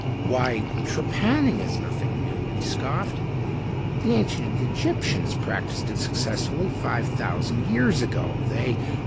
"Why trepanning is nothing new," he scoffed. "The ancient Egyptians practiced it successfully five thousand years ago. They...."